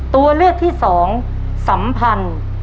ตัวเลือกที่สองสัมพันธ์